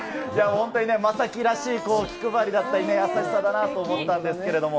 本当にね、将暉らしい気配りだったりね、優しさだなと思ったんですけど。